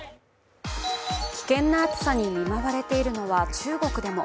危険な暑さに見舞われているのは中国でも。